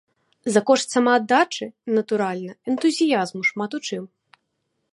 За кошт самааддачы, натуральна, энтузіязму шмат у чым.